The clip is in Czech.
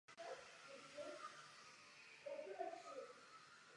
I tento pokus byl odvolán pro špatné počasí.